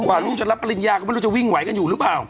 กว่าลูกจะรับปริญญาก็ไม่รู้จะวิ่งไหวกันอยู่หรือเปล่า